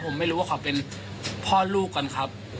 ผมไม่รู้ว่าเขาเป็นพ่อลูกกันครับ